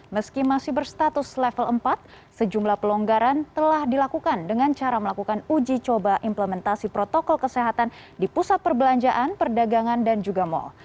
meski masih berstatus level empat sejumlah pelonggaran telah dilakukan dengan cara melakukan uji coba implementasi protokol kesehatan di pusat perbelanjaan perdagangan dan juga mal